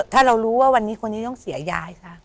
ถ้าเรารู้ว่าวันนี้คนนี้ต้องเสียยายคะ